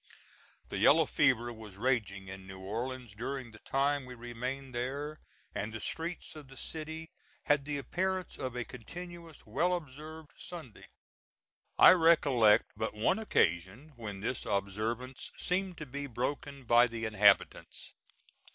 The yellow fever was raging in New Orleans during the time we remained there, and the streets of the city had the appearance of a continuous well observed Sunday. I recollect but one occasion when this observance seemed to be broken by the inhabitants.